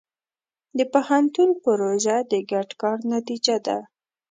د پوهنتون پروژه د ګډ کار نتیجه ده.